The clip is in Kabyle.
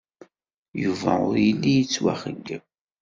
Yuba ur yelli yettwaxeyyeb.